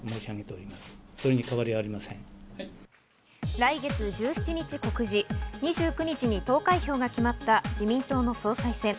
来月１７日告示、２９日に投開票が決まった自民党の総裁選。